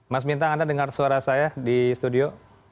mas bintang anda dengar suara saya di studio